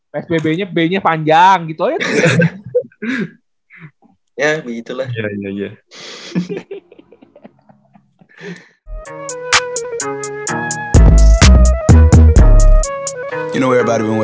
psbb nya b nya panjang gitu aja